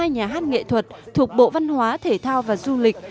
một mươi nhà hát nghệ thuật thuộc bộ văn hóa thể thao và du lịch